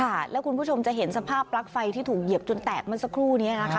ค่ะแล้วคุณผู้ชมจะเห็นสภาพปลั๊กไฟที่ถูกเหยียบจนแตกเมื่อสักครู่นี้นะคะ